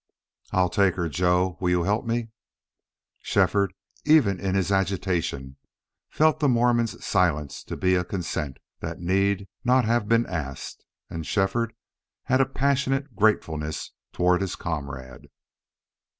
"I'll take her. Joe, will you help me?" Shefford, even in his agitation, felt the Mormon's silence to be a consent that need not have been asked. And Shefford had a passionate gratefulness toward his comrade.